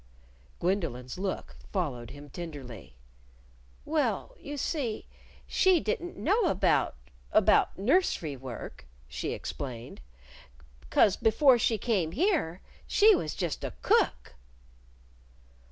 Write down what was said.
Gwendolyn's look followed him tenderly. "Well, you see, she didn't know about about nursery work," she explained. "'Cause before she came here she was just a cook."